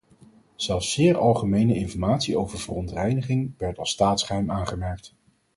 Zelfs zeer algemene informatie over verontreiniging werd als staatsgeheim aangemerkt.